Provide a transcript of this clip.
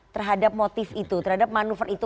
terhadap motif itu terhadap manuver itu